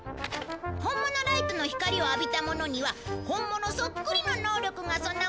ほんものライトの光を浴びたものには本物そっくりの能力が備わるんだ。